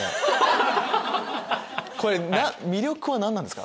これ魅力は何なんですか？